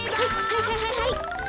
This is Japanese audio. はいはいはいはい。